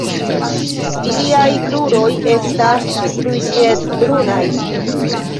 Iliaj kruroj estas ruĝet-brunaj.